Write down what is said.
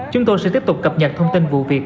chúng tôi sẽ tiếp tục cập nhật thông tin vụ việc